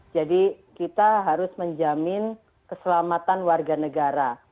jadi kita harus menjamin keselamatan warga negara